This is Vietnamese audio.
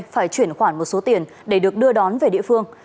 phải chuyển khoản một số tiền để được đưa đón về địa phương